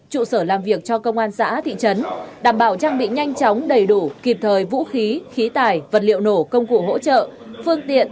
trụ sở làm việc cho công an xã thị trấn đảm bảo trang bị nhanh chóng đầy đủ kịp thời vũ khí khí tài vật liệu nổ công cụ hỗ trợ phương tiện